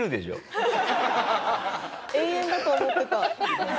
永遠だと思ってた。